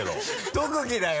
特技だよ！